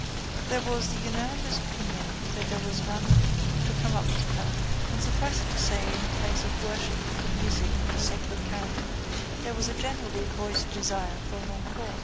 There was the unanimous opinion that there was none to come up to her and suffice it to say in a place of worship for music of a sacred character there was a generally voiced desire for an encore.